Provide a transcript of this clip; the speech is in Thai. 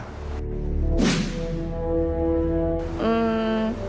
อืม